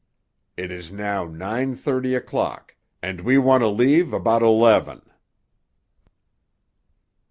It is now nine thirty o'clock, and we want to leave about eleven."